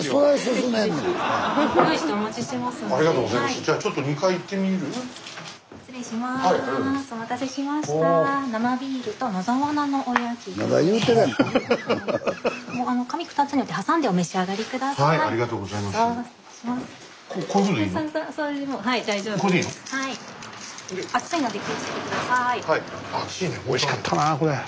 スタジオおいしかったなこれ。